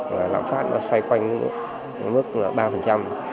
và lạng phát nó xoay quanh mức ba